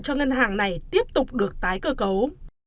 cho ngân hàng này tiếp tục được tái cơ cấu